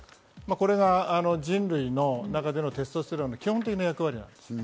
これが人類の中でのテストステロンの基本的な役割です。